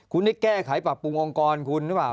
คุณได้แก้ไขปรับปรุงองค์กรคุณหรือเปล่า